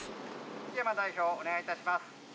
秋山代表お願い致します。